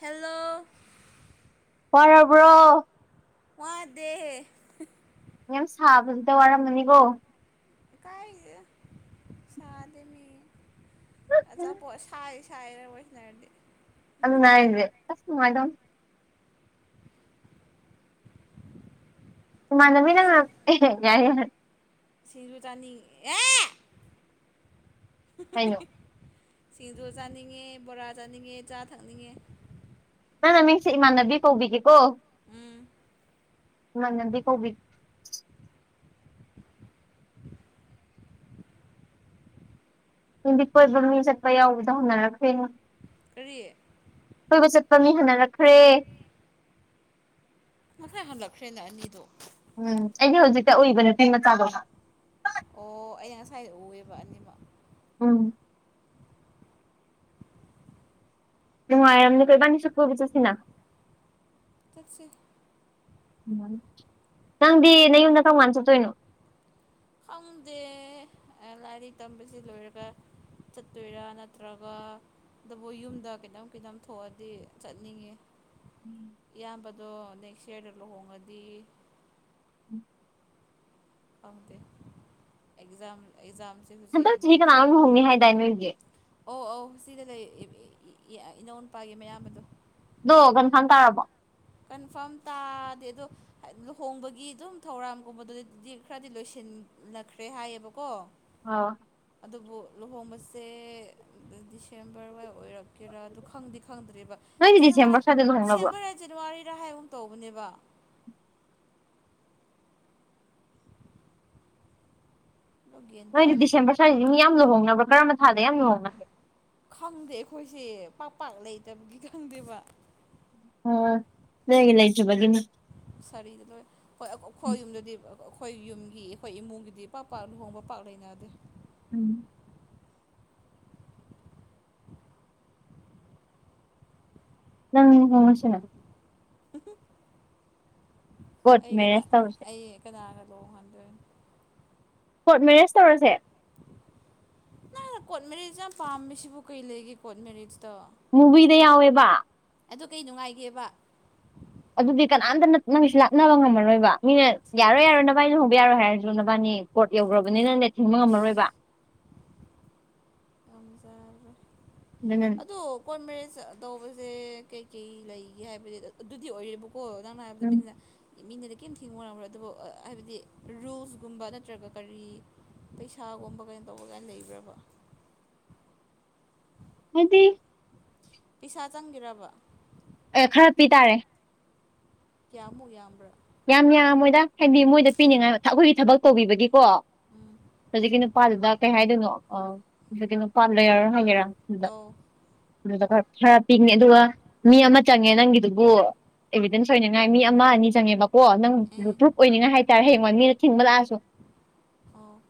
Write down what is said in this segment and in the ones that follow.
hello ꯋꯥꯔꯕ꯭ꯔꯣ ꯋꯥꯗꯦ ꯌꯥꯝ ꯁꯥꯕꯁꯤꯗ ꯋꯥꯔꯝꯒꯅꯤꯀꯣ ꯏꯀꯥꯏꯖ ꯁꯥꯗꯦ ꯃꯤ ꯑꯆꯥꯄꯣꯠ ꯁꯥꯏ ꯁꯥꯏꯔ ꯋꯥꯏꯅꯔꯗꯤ ꯌꯥꯝ ꯅꯨꯉꯥꯏꯒꯤ ꯑꯁ [unintelligible] ꯃꯥꯟꯅꯃꯤꯅ [unintelligible] ꯁꯤꯖꯨ ꯆꯥꯅꯤꯡ ꯑꯦ ꯍꯥꯏꯅꯣ ꯁꯤꯡꯖꯨ ꯆꯥꯅꯤꯡꯉꯦ ꯕꯣꯔꯥ ꯆꯥꯅꯤꯡꯉꯦ ꯆꯥ ꯊꯛꯅꯤꯡꯉꯦ ꯅꯪ ꯅꯥꯃꯤꯡꯁꯦ ꯏꯃꯥꯟꯅꯕꯤ ꯀꯧꯕꯤꯒꯦꯀꯣ ꯎꯝ ꯏꯃꯥꯟꯅꯕꯤ ꯀꯣꯕꯤ ꯅꯨꯗꯤꯠ ꯀꯣꯏꯕ ꯃꯤ ꯆꯠꯄ ꯌꯥꯎꯕꯗꯣ ꯍꯅꯔꯛꯈ꯭ꯔꯦꯉꯣ ꯀꯔꯤ ꯀꯣꯏꯕ ꯆꯠꯄ ꯃꯤ ꯍꯟꯅꯔꯛꯈ꯭ꯔꯦ ꯉꯁꯥꯏ ꯍꯜꯂꯛꯈ꯭ꯔꯦꯅ ꯑꯅꯤꯗꯣ ꯎꯝ ꯑꯩꯗꯤ ꯍꯧꯖꯤꯛꯇ ꯎꯏꯕ ꯅꯨꯄꯤ ꯃꯆꯥꯗꯣ ꯑꯣ ꯑꯩ ꯉꯁꯥꯏꯗ ꯎꯑꯦꯕ ꯑꯅꯤꯃꯛ ꯎꯝ ꯅꯨꯡꯉꯥꯏꯔꯝꯅꯤꯗ ꯏꯕꯥꯅꯤꯁꯨ ꯁꯤꯅ ꯆꯠꯁꯦ ꯅꯪꯗꯤ ꯅꯌꯨꯝꯗ ꯀꯝꯀꯟ ꯆꯠꯇꯣꯏꯅꯣ ꯈꯪꯗꯦ ꯂꯥꯏꯔꯤꯛ ꯇꯝꯕꯁꯤ ꯂꯣꯏꯔꯒ ꯆꯠꯇꯣꯏꯔꯥ ꯅꯠꯇ꯭ꯔꯒ ꯑꯗꯨꯕꯨ ꯌꯨꯝꯗ ꯀꯤꯇꯝ ꯈꯤꯇꯝ ꯊꯣꯛꯑꯗꯤ ꯆꯠꯅꯤꯡꯉꯦ [inaudible] ꯏꯌꯥꯝꯕꯗꯣ ꯅꯦꯛꯁ ꯌꯥꯔꯗ ꯂꯨꯍꯣꯡꯉꯗꯤ [inaudible] ꯄꯝꯗ ꯑꯦꯛꯖꯝ ꯑꯦꯛꯖꯝ ꯍꯟꯗꯛ ꯆꯍꯤ ꯀꯅꯥ ꯑꯃꯝ ꯂꯨꯍꯣꯡꯅꯤ ꯍꯥꯏꯗꯥꯏ ꯅꯣꯏꯒꯤ ꯑꯣ ꯑꯧ ꯁꯤꯗ ꯂꯩ [unintelligible] ꯏꯅꯧ ꯅꯨꯨꯄꯥꯒꯤ ꯃꯌꯥꯝ ꯕꯗꯣ ꯑꯗꯣ ꯀꯟꯐꯥꯝ ꯇꯥꯔꯕꯣ ꯀꯟꯐꯥꯔꯝ ꯇꯥꯗꯦ ꯑꯗꯣ ꯍꯦꯛ ꯂꯨꯍꯣꯡꯕꯒꯤ ꯑꯗꯨꯝ ꯊꯧꯔꯥꯡꯝꯒꯨꯝꯕꯗꯨꯗꯤꯗꯤ ꯈꯔꯗꯤ ꯂꯣꯏꯁꯤꯟ ꯂꯥꯛꯈ꯭ꯔꯦ ꯍꯥꯏꯌꯦꯕꯀꯣ ꯑꯥ ꯑꯗꯨꯕꯨ ꯂꯨꯍꯣꯡꯕꯁꯦ ꯗꯤꯁꯦꯝꯕꯔ ꯋꯥꯏ ꯑꯣꯏꯔꯛꯀꯦꯔꯥ ꯑꯗꯨ ꯈꯪꯗꯤ ꯈꯪꯗ꯭ꯔꯤꯕ ꯅꯣꯏꯗꯤ ꯖꯦꯅꯥꯋꯔ ꯗꯤꯁꯦꯝꯕꯔ ꯁ꯭ꯋꯥꯏꯗ ꯂꯨꯍꯣꯡꯅꯕ꯭ꯔꯣ ꯗꯤꯁꯦꯝꯕꯔ ꯖꯅꯋꯥꯔꯤꯔ ꯍꯥꯏ ꯎꯝ ꯇꯧꯕꯅꯦꯕ ꯑꯗꯣ ꯒ꯭ꯌꯥꯟ ꯅꯣꯏꯗꯤ ꯇꯥꯗꯦ ꯗꯤꯁꯦꯝꯕꯔ ꯁ꯭ꯋꯥꯏꯖꯤ ꯃꯤ ꯌꯥꯝ ꯂꯨꯍꯣꯡꯅꯕꯔꯣ ꯀꯔꯝꯕ ꯊꯥꯗ ꯌꯥꯝ ꯂꯨꯍꯣꯡꯅꯒꯦ ꯈꯪꯗꯦ ꯑꯩꯈꯣꯏꯁꯦ ꯄꯥꯛ ꯄꯥꯛ ꯂꯩꯇꯕꯒꯤ ꯈꯪꯗꯦꯕ ꯑꯣ ꯅꯣꯏꯒꯤ ꯂꯩꯇꯔ꯭ꯤꯕꯒꯤꯅꯤ ꯁꯔꯤꯗ ꯂꯣꯏ ꯍꯣꯏ ꯑꯩꯈꯣꯏ ꯌꯨꯝꯗꯨꯗꯤ ꯑꯩꯈꯣꯏ ꯌꯨꯝꯒꯤ ꯑꯩꯈꯣꯏ ꯏꯃꯨꯡꯒꯤꯗꯤ ꯄꯥꯛ ꯄꯥꯛ ꯂꯨꯍꯣꯡꯕ ꯄꯥꯛ ꯂꯩꯅꯗꯦ ꯎꯝ ꯅꯪ ꯍꯣꯡꯉꯁꯦꯅ [inaudible] ꯀꯣꯔꯠ ꯑꯩ ꯀꯅꯥ ꯃꯦꯔꯦꯖ ꯇꯧꯔꯁꯦ ꯑꯩ ꯀꯅꯥꯒ ꯂꯨꯍꯣꯡꯍꯟꯗꯣꯏꯅꯣ ꯀꯣꯔꯠ ꯃꯦꯔꯦꯖ ꯇꯧꯔꯁꯦ ꯅꯡꯅ ꯀꯣꯔꯠ ꯃꯦꯔꯤꯖ ꯌꯥꯝ ꯄꯥꯝꯃꯤꯁꯤꯕꯨ ꯀꯩ ꯂꯩꯒꯦ ꯀꯣꯔꯠ ꯃꯦꯔꯤꯖꯇ ꯃꯨꯕꯤꯗ ꯌꯥꯎꯋꯦꯕꯥ ꯑꯗꯣ ꯀꯩ ꯅꯨꯡꯉꯥꯏꯒꯦꯕ ꯑꯗꯨꯗꯤ ꯀꯅꯥꯝꯇꯅ ꯅꯪꯒꯤꯁꯨ ꯂꯥꯛꯅꯕ ꯉꯝꯃꯔꯣꯏꯕ ꯃꯤꯅ ꯌꯥꯔꯣꯏ ꯌꯥꯔꯣꯏ ꯅꯕꯥꯏꯅꯤ ꯂꯨꯍꯣꯡꯕ ꯌꯥꯔꯣꯏ ꯍꯥꯏꯔ ꯗꯣꯅꯕꯥꯅꯤ ꯀꯣꯔꯠ ꯌꯧꯒꯔ꯭ꯕꯅꯤꯅꯅꯦ ꯊꯤꯡꯕ ꯑꯁ ꯉꯝꯃꯔꯣꯏꯕ ꯉꯝꯖꯔꯔꯣꯏ [unintelligible] ꯑꯗꯣ ꯀꯣꯔꯠ ꯃꯦꯔꯦꯖ ꯇꯧꯕꯖꯦ ꯀꯩꯀꯩ ꯂꯩꯒꯦ ꯍꯥꯏꯕꯗꯤ ꯑꯗꯨꯗꯤ ꯑꯣꯏꯔꯦꯕ ꯀꯣ ꯅꯡꯅ ꯍꯥꯏꯕꯗꯣ ꯎꯝ ꯃꯤꯅꯤꯅ ꯃꯤꯅꯗꯤ ꯀꯔꯤꯝ ꯊꯤꯡꯕ ꯉꯝ꯭ꯔꯣꯏ ꯑꯗꯨꯕꯨ ꯍꯥꯏꯕꯗꯤ ꯔꯨꯜꯁꯒꯨꯝꯕ ꯅꯠꯇ꯭ꯔꯒ ꯀꯔꯤ ꯄꯩꯁꯥꯒꯨꯝꯕ ꯀꯩꯅꯣ ꯇꯧꯕ ꯀꯥꯏꯅ ꯂꯩꯕ꯭ꯔꯕ ꯍꯥꯏꯗꯤ ꯄꯩꯁꯥ ꯆꯪꯒꯦꯔꯕ ꯑꯦ ꯈꯔ ꯄꯤ ꯇꯥꯔꯦ ꯀꯌ꯭ꯥꯃꯨꯛ ꯌꯥꯝꯕ꯭ꯔꯥ ꯌꯥꯝ ꯌꯥꯝꯃꯝ ꯃꯣꯏꯗ ꯍꯥꯏꯗꯤ ꯃꯣꯏꯗ ꯄꯤꯅꯤꯡꯉꯥꯏ ꯑꯩꯈꯣꯏꯒꯤ ꯊꯕꯛ ꯇꯧꯕꯤꯕꯒꯤꯀꯣ ꯍꯧꯖꯤꯛꯀꯤ ꯅꯨꯄꯥꯗꯨꯗ ꯀꯩ ꯍꯥꯏꯗꯣꯏꯅꯣ ꯑꯣ ꯑꯗꯨ ꯀꯩꯅꯣ ꯄꯥꯟꯕ ꯌꯥꯔꯍꯣꯏꯒꯦꯔꯥ ꯗꯨꯗꯥ ꯑꯧ ꯑꯗꯨꯗ ꯈꯔ ꯈꯔ ꯄꯤꯅꯤ ꯑꯗꯨꯒ ꯃꯤ ꯑꯃ ꯆꯪꯉꯦ ꯅꯪꯒꯤꯗꯨꯕꯨ ꯏꯕꯤꯗꯦꯟꯁ ꯑꯣꯏꯅꯤꯉꯥꯏ ꯃꯤ ꯑꯃ ꯑꯅꯤ ꯆꯪꯉꯦꯕ ꯀꯣ ꯅꯪ ꯎꯝ ꯄ꯭ꯔꯨꯨꯞ ꯑꯣꯏꯅꯤꯡꯉꯥꯏ ꯍꯥꯏꯇꯥꯔꯦ ꯍꯌꯦꯡꯋꯥꯏ ꯃꯤꯅ ꯊꯤꯡꯕ ꯂꯥꯛꯑꯁꯨ ꯑꯣ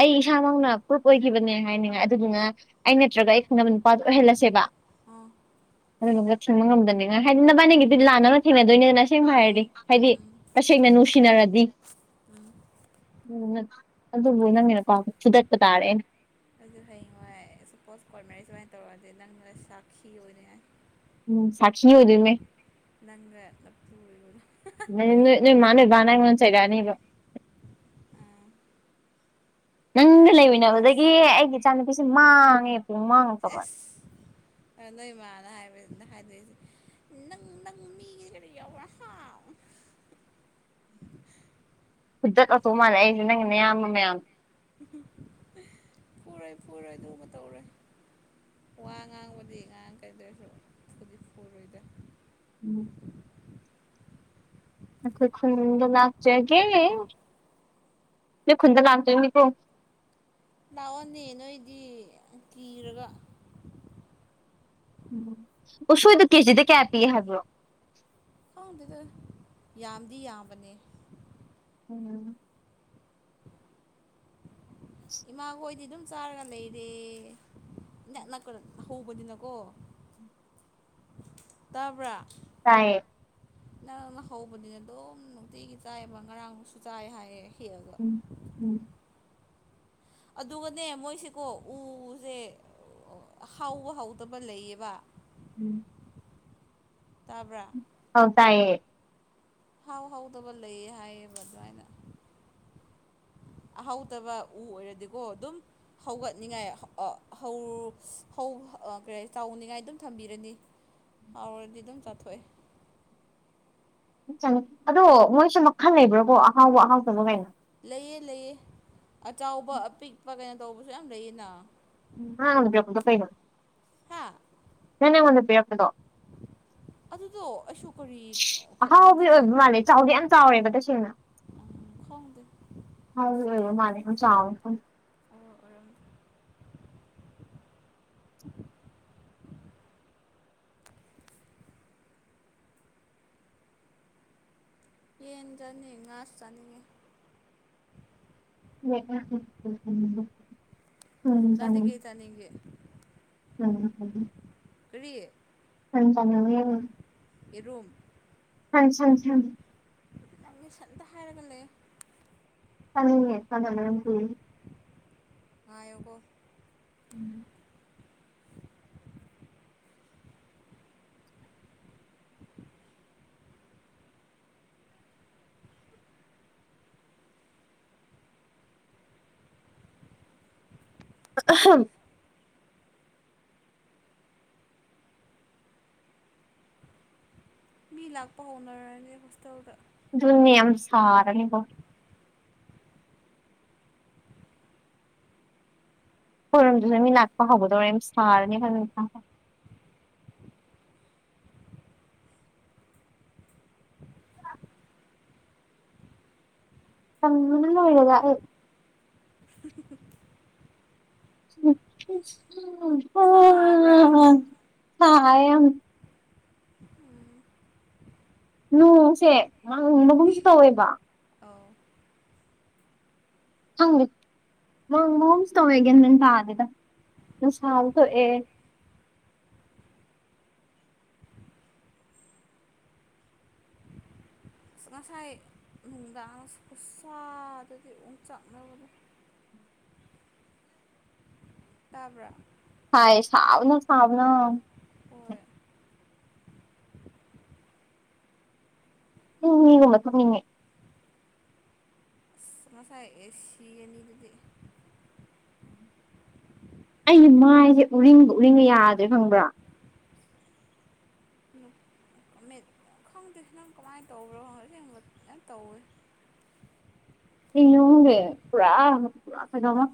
ꯑꯩ ꯏꯁꯥꯃꯛꯅ ꯄ꯭ꯔꯨꯞ ꯑꯣꯏꯒꯤꯕꯅꯦ ꯍꯥꯏꯅꯡꯉꯥꯏ ꯑꯗꯨꯗꯨꯅ ꯑꯩ ꯅꯠꯇ꯭ꯔꯒ ꯑꯩ ꯈꯪꯅꯕ ꯅꯨꯄꯥꯗꯣ ꯑꯣꯏꯍꯜꯂꯁꯦꯕ ꯑꯥ [unintelligible] ꯊꯤꯡꯕ ꯉꯝꯗꯅꯤꯉꯥꯏ ꯍꯥꯏꯗꯤ ꯅꯕꯥꯅꯤꯒꯤꯗꯤ ꯂꯥꯟꯅꯕꯅ ꯊꯦꯡꯅꯗꯣꯏꯅꯦꯗꯅ ꯑꯁꯦꯡꯅ ꯍꯥꯏꯔꯗꯤ ꯎꯝ ꯍꯥꯏꯗꯤ ꯎꯝ ꯇꯁꯦꯡꯅ ꯅꯨꯡꯁꯤꯅꯔꯗꯤ ꯎꯝ ꯎꯝ ꯑꯗꯨꯕꯨ ꯅꯪꯒꯤ ꯅꯨꯄꯥꯗꯣ ꯐꯨꯗꯠꯄ ꯇꯥꯔꯦ ꯑꯩꯅ ꯑꯩꯖꯨ ꯍꯌꯦꯡꯋꯥꯏ ꯁꯄꯣꯁ ꯀꯣꯔꯠ ꯃꯦꯔꯤꯖ ꯑꯣꯏꯅ ꯇꯧꯔꯗꯤ ꯅꯪꯅ ꯁꯥꯈꯤ ꯑꯣꯏꯅꯤꯉꯥꯏ ꯎꯝ ꯁꯥꯈꯤ ꯑꯣꯏꯗꯨꯏꯃꯦ ꯅꯪꯒ ꯅꯄꯨꯔꯣꯏꯕꯒ ꯗꯩꯗꯤ ꯅꯣꯏ ꯅꯣꯏꯃꯥ ꯅꯣꯏꯕꯥꯅ ꯑꯩꯉꯣꯟ ꯆꯩꯔꯛꯑꯅꯤꯕ ꯑꯥ ꯅꯪꯒ ꯑꯥꯏ ꯋꯤꯠꯅꯦꯁ ꯂꯩꯃꯤꯟꯅꯕꯗꯒꯤ ꯑꯩꯒꯤ ꯏꯆꯥꯅꯨꯄꯤꯁꯦ ꯃꯥꯡꯉꯦ ꯄꯨꯡ ꯃꯥꯡꯉꯛꯇꯕ ꯑꯦꯁ ꯅꯣꯏ ꯃꯥꯅ ꯍꯥꯏꯕ ꯍꯥꯏꯗꯣꯏꯁꯦ ꯅꯪ ꯅꯪ ꯃꯤꯒꯤ ꯀꯔꯤ ꯌꯥꯎꯕ꯭ꯔꯥ ꯍꯥ ꯐꯨꯗꯠꯂꯛꯇꯧ ꯃꯥꯜꯂꯦ ꯑꯩꯁꯦ ꯅꯪꯒꯤ ꯅꯌꯥꯝꯕ ꯃꯌꯥꯝ ꯐꯨꯔꯣꯏ ꯐꯨꯔꯣꯏ ꯑꯗꯨꯒ ꯇꯧꯔꯣꯏ ꯋꯥ ꯉꯥꯡꯕꯗꯤ ꯉꯥꯡꯉꯛꯀꯗꯔ ꯐꯨꯗꯤ ꯐꯨꯔꯣꯏꯗ ꯎꯝ ꯑꯈꯣꯏ ꯈꯨꯨꯟꯗ ꯂꯥꯛꯆꯒꯦ ꯅꯣꯏ ꯈꯨꯨꯟꯗ ꯂꯥꯛꯇꯣꯏꯅꯤꯀꯣ ꯂꯥꯛꯑꯣꯅꯦ ꯅꯣꯏꯗꯤ ꯀꯤꯔꯒ ꯎꯁꯣꯏꯗꯣ ꯀꯦꯖꯤꯗ ꯀꯌꯥ ꯄꯤꯒꯦ ꯍꯥꯏꯕ꯭ꯔꯣ ꯈꯪꯗꯦꯗ ꯌꯥꯝꯗꯤ ꯌꯥꯝꯕꯅꯦ ꯎꯝ ꯏꯃꯥꯈꯣꯏꯗꯤ ꯑꯗꯨꯝ ꯆꯥꯔꯒ ꯂꯩꯔꯦ ꯅꯛ ꯅꯛ ꯍꯧꯕꯅꯤꯅꯀꯣ ꯇꯥꯕ꯭ꯔꯥ ꯇꯥꯏꯌꯦ ꯅꯪꯅ ꯍꯧꯕꯅꯤꯅ ꯑꯗꯨꯝ ꯅꯨꯡꯇꯤꯒꯤ ꯆꯥꯏꯕ ꯉꯔꯥꯡꯁꯨ ꯆꯥꯏ ꯍꯥꯏꯌꯦ ꯍꯦꯛꯑꯒ ꯎꯝ ꯑꯗꯨꯒꯅꯦ ꯃꯣꯏꯁꯦꯀꯣ ꯎꯖꯦ ꯍꯥꯎꯕ ꯍꯥꯎꯗꯕ ꯂꯩꯌꯦꯕ ꯎꯝ ꯇꯥꯕ꯭ꯔꯥ ꯑꯥꯎ ꯇꯥꯏꯌꯦ ꯍꯥꯎ ꯍꯥꯎꯗꯕ ꯂꯩꯌꯦ ꯍꯥꯏꯌꯦ ꯃꯖꯥꯏꯅ ꯑꯍꯥꯎꯗꯕ ꯎ ꯑꯣꯏꯔꯗꯤꯀꯣ ꯑꯗꯨꯝ ꯍꯧꯒꯠꯅꯤꯡꯉꯥꯏ ꯑ ꯍꯧ ꯍꯧ ꯀꯔꯤ ꯆꯥꯎꯅꯤꯡꯉꯥꯏ ꯑꯗꯨꯝ ꯊꯝꯕꯤꯔꯅꯤ ꯍꯥꯎꯔꯗꯤ ꯑꯗꯨꯝ ꯆꯥꯊꯣꯛꯑꯦ ꯆꯅꯤ ꯑꯗꯣ ꯃꯣꯏꯁꯨ ꯃꯈꯜ ꯂꯩꯕ꯭ꯔꯣꯕꯣ ꯑꯍꯥꯎꯕ ꯑꯍꯥꯎꯕ ꯀꯩꯅꯣ ꯂꯩꯌꯦ ꯂꯩꯌꯦ ꯑꯆꯥꯎꯕ ꯑꯄꯤꯛꯄ ꯀꯩꯅꯣ ꯇꯧꯕꯁꯨ ꯌꯥꯝ ꯂꯩꯌꯦꯅ ꯅꯪꯅ ꯄꯤꯔꯛꯄꯗꯣ ꯀꯩꯅꯣ ꯍꯥꯥ ꯅꯪꯅ ꯑꯩꯉꯣꯟꯗ ꯄꯤꯔꯛꯄꯗꯣ ꯑꯗꯨꯗꯣ ꯑꯩꯁꯨ ꯀꯔꯤ ꯑꯍꯥꯎꯕ ꯈꯛꯔꯗꯤ ꯑꯣꯏꯕ ꯈꯪ ꯃꯥꯜꯂꯦ ꯆꯥꯎꯗꯤ ꯌꯥꯝ ꯆꯥꯎꯋꯦꯕ ꯇꯁꯦꯡꯅ ꯈꯪꯗꯦ ꯍꯥꯎꯒꯤ ꯑꯣꯏꯕ ꯃꯜꯂꯦ ꯌꯥꯝ ꯆꯥꯥꯎ ꯑꯣ ꯑꯣꯏꯔꯝꯅꯤ ꯌꯦꯟ ꯆꯅꯤꯡꯉꯦ ꯉꯥꯁꯨ ꯆꯅꯤꯡꯉꯦ [unintelligible] ꯅꯪꯗꯤ ꯀꯩ ꯆꯅꯤꯡꯒꯦ ꯎꯝ ꯎꯝ ꯀꯔꯤ [unintelligible] ꯌꯦꯔꯨꯝ [unintelligible] ꯅꯪꯗꯤ ꯁꯟ ꯗ ꯍꯥꯏꯔꯒ ꯂꯩꯌꯣ ꯆꯅꯤꯡꯉꯦ [unintelligible] ꯉꯥꯏꯌꯣꯀꯣ ꯎꯝ ꯑꯍꯝ ꯃꯤ ꯂꯥꯛꯄ ꯍꯧꯅꯔꯅꯤ ꯍꯣꯁꯇꯦꯜꯗ ꯗꯨꯅꯦ ꯌꯥꯝ ꯁꯔꯅꯤꯀꯣ ꯈꯣꯏꯔꯨꯝꯗꯨꯁꯨ ꯃꯤꯅꯥꯥꯛꯄ ꯍꯧꯒꯗꯧꯔꯦ ꯌꯥꯝ ꯁꯥꯔꯅꯤ ꯇꯟꯕꯅ ꯂꯣꯏꯔꯦꯗ ꯑꯩ [unintelligible] [unintelligible] ꯊꯕ꯭ꯔꯥ [unintelligible] ꯎꯝ ꯅꯣꯡꯁꯦ ꯃꯥꯡꯕꯒꯨꯝꯁꯨ ꯇꯧꯋꯦꯕ ꯑꯥꯎ ꯃꯪꯕꯒꯨꯝꯁꯨ ꯇꯧꯋꯦ ꯒ꯭ꯌꯥꯟ ꯃꯦꯜ ꯇꯥꯗꯦꯗ ꯅꯨꯡꯁꯥꯁꯨ ꯊꯣꯛꯑꯦ ꯑꯁ ꯉꯁꯥꯏ ꯅꯨꯡꯗꯥꯡ ꯈꯨꯠꯁꯥꯗꯗꯤ ꯑꯣꯝꯆꯥꯛꯅꯕꯗꯣ ꯇꯥꯕ꯭ꯔꯥ ꯍꯌꯦ ꯁꯥꯕꯅ ꯁꯥꯥꯕꯅ ꯍꯣꯏ ꯍꯩꯃꯤꯒꯨꯝꯕ ꯊꯛꯅꯤꯡꯉꯦ ꯉꯁꯥꯏ ꯑꯦ ꯁꯤ ꯑꯅꯤꯗꯨꯗꯤ ꯑꯩꯒꯤ ꯃꯥꯏꯁꯦ ꯎꯔꯤꯡꯕ ꯎꯔꯤꯡꯒ ꯌꯥꯗ꯭ꯔꯦ ꯈꯪꯕ꯭ꯔꯥ ꯃꯤꯠ ꯈꯪꯗꯦ ꯅꯪ ꯀꯃꯥꯏꯅ ꯇꯧꯕ꯭ꯔꯣ ꯑꯁꯦꯡꯕ ꯑꯖꯟ ꯅꯧꯋꯦ [unintelligible] ꯄꯨꯔꯥ ꯄꯨꯔꯥ ꯀꯗꯧꯕ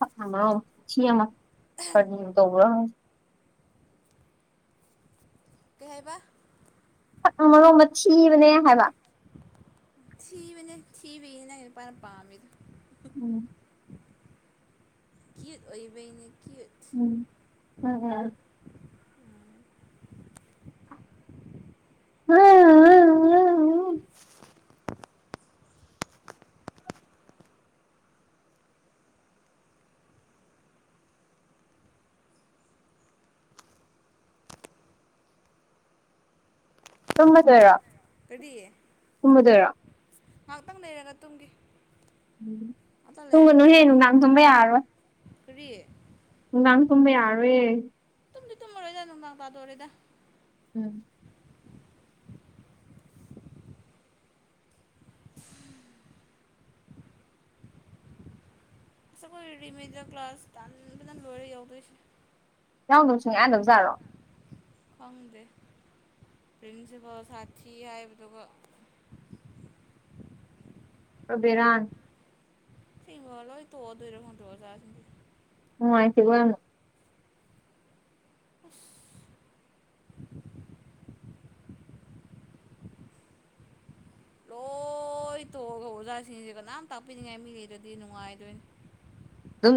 [unintelligible] ꯇꯧꯕ꯭ꯔꯣ ꯀꯩ ꯍꯥꯏꯕ ꯁꯛꯅ ꯃꯔꯣꯡꯝꯗ ꯊꯤꯕꯅꯦ ꯍꯥꯏꯕ ꯊꯤꯕꯅꯦ ꯊꯤꯕꯩꯅꯦ ꯅꯪ ꯅꯨꯄꯥꯅ ꯄꯥꯃꯤꯗꯣ ꯎꯝ ꯀ꯭ꯌꯨꯠ ꯑꯣꯏꯕꯅꯤ ꯀ꯭ꯌꯨꯠ ꯎꯝ ꯑ ꯇꯨꯝꯗꯣꯏꯔꯣ ꯇꯗꯤ ꯀꯨꯝꯃꯗꯣꯏꯔꯣ ꯉꯥꯏꯍꯥꯛꯇꯪ ꯂꯩꯔꯒ ꯇꯨꯡꯒꯤ ꯇꯨꯝꯒꯅꯨ ꯍꯦ ꯇꯨꯝꯃꯅꯤ ꯅꯨꯡꯗꯥꯡ ꯇꯨꯝꯕ ꯌꯥꯔꯔꯣꯏ ꯀꯔꯤ ꯅꯨꯡ ꯉꯥꯡ ꯇꯨꯝꯕ ꯌꯥꯔꯣꯌꯦ ꯇꯨꯝꯗꯤ ꯇꯨꯝꯃꯔꯣꯏꯗ ꯅꯨꯡꯗꯥꯡ ꯇꯥꯗꯣꯔꯦꯏꯗ ꯎꯝ ꯑꯁ ꯑꯩꯈꯣꯏ ꯔꯤꯃꯦꯖ ꯀ꯭ꯂꯥꯁ ꯗꯥꯟꯁ ꯐꯖꯟ ꯂꯣꯏꯔ ꯌꯥꯎꯗꯣꯏꯁꯦ ꯌꯥꯎꯗꯕ ꯁꯨꯡꯌꯥ [unintelligible] ꯈꯪꯗꯦ ꯄ꯭ꯔꯤꯟꯁꯤꯄꯥꯜ ꯁꯥꯊꯤ ꯍꯥꯏꯕꯗꯨꯒ ꯕꯦꯔꯥꯟꯦ ꯁꯤ ꯇꯣꯗꯔ ꯍꯗꯖꯗꯤ ꯅꯨꯉꯥꯏꯇꯦꯉꯣ ꯌꯥꯝꯅ ꯑꯁ ꯂꯣꯏ ꯇꯣꯛꯑꯒ ꯑꯣꯖꯥꯁꯤꯡꯁꯦ ꯀꯅꯥꯝ ꯇꯥꯛꯄꯤꯅꯤꯡꯉꯥꯏ ꯃꯤꯉꯩꯗꯗꯤ ꯅꯨꯡꯉꯥꯏꯗꯣꯏꯅꯤ ꯑꯗꯨꯝ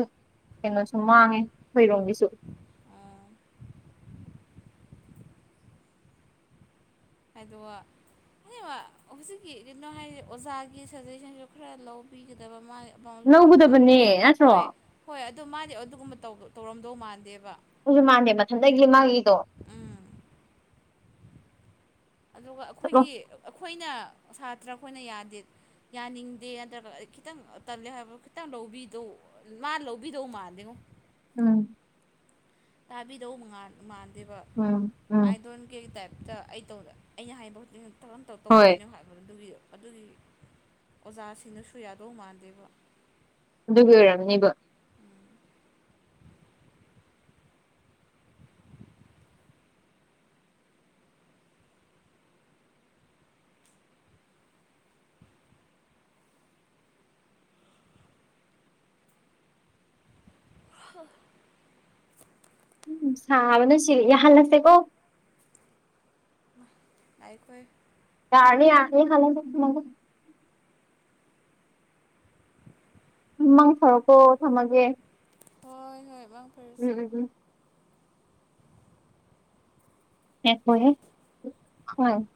ꯀꯩꯅꯣꯁꯨ ꯃꯥꯡꯉꯦ ꯈꯣꯏꯔꯣꯝꯒꯤꯁꯨ ꯑꯣ ꯍꯥꯏꯗꯣꯋꯥ [unintelligible] ꯍꯧꯖꯤꯛꯀꯤ ꯀꯩꯅꯣ ꯍꯥꯏꯁꯦ ꯑꯣꯖꯥꯒꯤ ꯁꯖꯦꯁꯟꯁꯨ ꯈꯔ ꯂꯧꯕꯤꯒꯗꯕ ꯃꯥꯒꯤ ꯄꯥꯎꯁꯨ ꯍꯟꯅ ꯍꯥꯏꯕꯅꯦ ꯂꯧꯒꯗꯕꯅꯦ ꯅꯠꯇ꯭ꯔꯣ ꯍꯣꯏ ꯍꯣꯏ ꯑꯗꯨ ꯃꯥꯗꯤ ꯑꯗꯨꯒꯨꯝꯕ ꯇꯧꯒ ꯇꯧꯔꯝꯗꯧ ꯃꯥꯟꯗꯦꯕ ꯑꯩꯁꯨ ꯃꯥꯟꯗꯦ ꯃꯊꯟꯗꯩꯒꯤ ꯃꯥꯒꯤꯗꯣ ꯎꯝ ꯑꯗꯨꯒ ꯆꯠꯂꯣ ꯑꯩꯈꯣꯏꯒꯤ ꯑꯩꯈꯣꯏꯅ ꯁꯥꯇ꯭ꯔ ꯑꯩꯈꯣꯏꯅ ꯌꯥꯗꯦ ꯌꯥꯅꯤꯡꯗꯦ ꯅꯗ ꯈꯤꯇꯪ ꯇꯜꯂꯦ ꯍꯥꯏꯕ ꯈꯤꯇꯪ ꯂꯧꯕꯤꯗꯣ ꯃꯥꯟ ꯂꯣꯕꯤꯗꯧ ꯃꯥꯟꯗꯦ ꯉꯣ ꯎꯝ ꯇꯥꯕꯤꯗꯧ ꯃꯉꯔ ꯃꯥꯟꯗꯦꯕ ꯎꯝ ꯎꯝ ꯑꯥꯏ ꯗꯣꯟ ꯀꯦꯛ ꯇꯥꯏꯞ ꯇꯥ ꯑꯩ ꯇꯧꯗ ꯑꯩꯅ ꯍꯥꯏꯕ ꯈꯨꯗꯤꯡꯒꯤ ꯇꯧꯔꯝ ꯍꯣꯏ ꯇꯧꯗꯣꯏꯅꯣ ꯍꯥꯏꯕꯗꯣ ꯑꯗꯨꯒꯤ ꯑꯗꯨꯒꯤ ꯑꯣꯖꯥꯁꯤꯡꯅꯁꯨ ꯌꯥꯗꯧ ꯃꯥꯟꯗꯦꯕ ꯑꯗꯨꯒꯤ ꯑꯣꯏꯔꯝꯅꯦꯕꯣ ꯍꯥ ꯎꯝ ꯁꯥꯕꯅ ꯁꯤ ꯌꯥꯍꯜꯂꯁꯦꯀꯣ ꯑꯩꯏꯈꯣꯏ ꯌꯥꯔꯥꯅꯤ ꯌꯥꯔꯥꯅꯤ [unintelligible] ꯃꯥꯡ ꯐꯔꯣꯀꯣ ꯊꯝꯃꯒꯦ ꯍꯣꯏ ꯍꯣꯏꯕꯝ ꯎꯝ ꯎꯝ ꯎꯝ [unintelligible]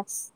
ꯑꯁ